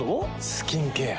スキンケア。